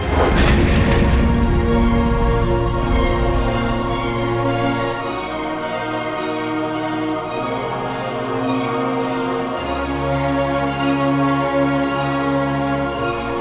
saya dipercaya dia untuk lebih